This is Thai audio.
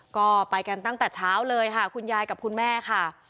ก็ไปกันตั้งแต่เช้าเลยค่ะคุณยายกับคุณแม่ค่ะ